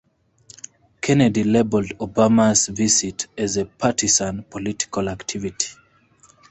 Kennedy labeled Obama's visit as a partisan political activity.